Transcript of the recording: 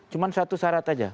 cuma satu syarat aja